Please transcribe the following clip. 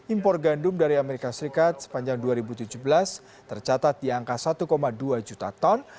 impor gandum dari amerika serikat sepanjang dua ribu tujuh belas tercatat di angka satu dua juta ton